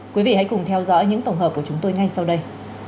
quý vị hãy cùng theo dõi những tổng hợp của chúng tôi ngay sau đây